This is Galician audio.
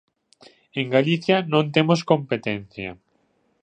En Galicia non temos competencia.